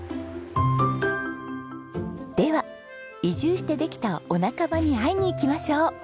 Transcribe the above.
では移住してできたお仲間に会いに行きましょう。